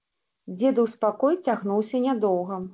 Дзедаў спакой цягнуўся нядоўга.